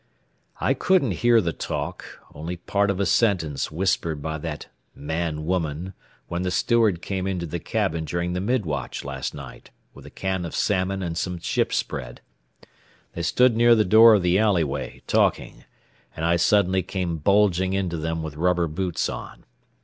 "I couldn't hear the talk, only part of a sentence whispered by that man woman when the steward came into the cabin during the mid watch last night with a can of salmon and some ship's bread. They stood near the door of the alleyway, talking, and I suddenly came bulging into them with rubber boots on.